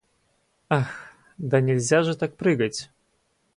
Ах, да ведь нельзя же так прыгать!